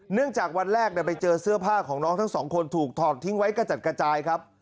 จากวันแรกไปเจอเสื้อผ้าของน้องทั้งสองคนถูกถอดทิ้งไว้กระจัดกระจายครับ